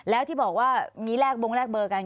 แล้วที่บอกว่ามีแลกบงแลกเบอร์กัน